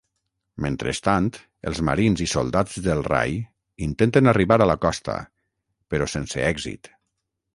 Mentrestant, els marins i soldats del rai intenten arribar a la costa, però sense èxit.